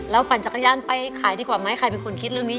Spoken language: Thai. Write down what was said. ปั่นจักรยานไปขายดีกว่าไหมใครเป็นคนคิดเรื่องนี้